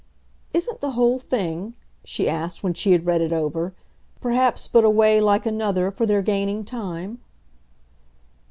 "Isn't the whole thing," she asked when she had read it over, "perhaps but a way like another for their gaining time?"